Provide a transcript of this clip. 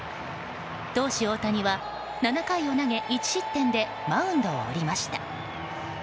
投手・大谷は７回を投げ１失点でマウンドを降りました。